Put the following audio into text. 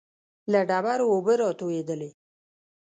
له ډبرو اوبه را تويېدلې.